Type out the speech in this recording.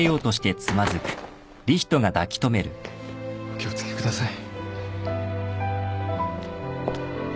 お気を付けください。